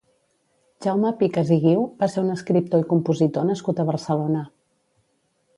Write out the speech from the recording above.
Jaume Picas i Guiu va ser un escriptor i compositor nascut a Barcelona.